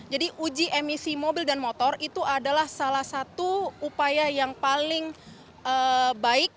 jadi uji emisi mobil dan motor itu adalah salah satu upaya yang paling baik